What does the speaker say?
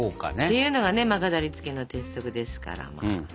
ていうのがね飾りつけの鉄則ですから。